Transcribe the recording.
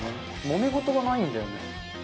もめ事がないんだよね。